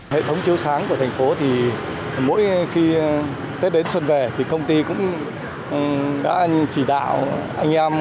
hệ thống chiếu sáng của thành phố thì mỗi khi tết đến xuân về thì công ty cũng đã chỉ đạo anh em